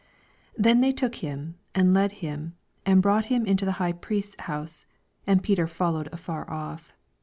54 Then took they him, and led hiniy and broaght him into the High Priest's house. And Peter followed afar off.